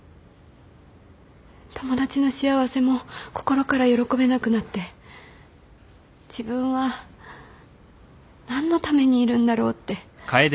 友達の幸せも心から喜べなくなって自分は何のためにいるんだろうって。